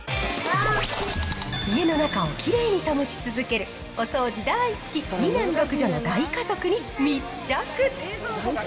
家の中をきれいに保ち続ける、お掃除大好き２男６女の大家族に密着。